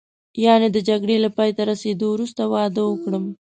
یعنې د جګړې له پایته رسېدو وروسته واده وکړم.